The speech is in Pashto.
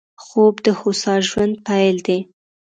خوب د هوسا ژوند پيل دی